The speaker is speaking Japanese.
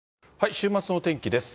週末のお天気です。